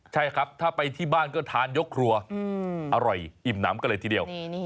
ใช่ครับถ้าไปที่บ้านก็ทานยกครัวอร่อยอิ่มน้ำกันเลยทีเดียว